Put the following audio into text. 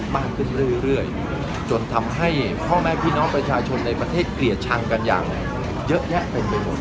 มากขึ้นเรื่อยจนทำให้พ่อแม่พี่น้องประชาชนในประเทศเกลียดชังกันอย่างเยอะแยะเต็มไปหมด